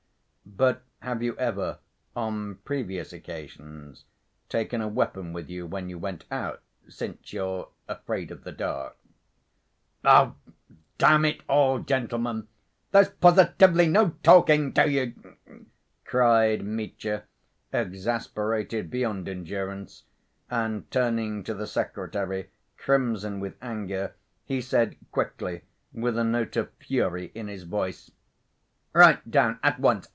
"But have you ever on previous occasions taken a weapon with you when you went out, since you're afraid of the dark?" "Ugh! damn it all, gentlemen! There's positively no talking to you!" cried Mitya, exasperated beyond endurance, and turning to the secretary, crimson with anger, he said quickly, with a note of fury in his voice: "Write down at once